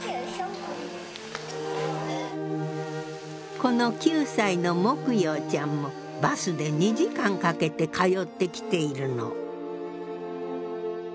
この９歳のモクヨウちゃんもバスで２時間かけて通ってきているの。